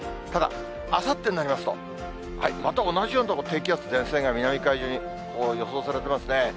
ただ、あさってになりますと、また同じような所、低気圧の前線が南海上に予想されてますね。